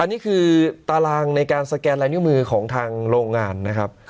อันนี้คือตารางในการสแกนลายนิ้วมือของทางโรงงานนะครับ